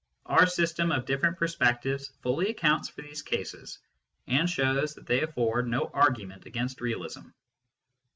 Our system of different perspectives fully accounts for these cases, and shows that they afford no argument against realism.